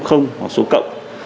hoặc số cộng